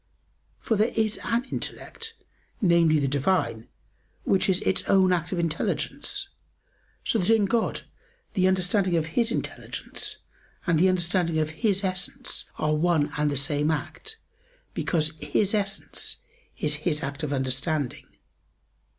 For there is an intellect, namely, the Divine, which is Its own act of intelligence, so that in God the understanding of His intelligence, and the understanding of His Essence, are one and the same act, because His Essence is His act of understanding.